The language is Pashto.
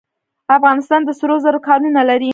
افغانستان د سرو زرو کانونه لري